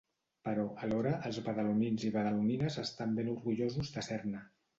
Però, alhora, els badalonins i badalonines estan ben orgullosos de ser-ne.